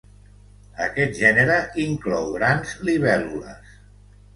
Aquest gènere inclou grans libèl·lules.